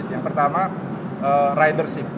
yang pertama ridership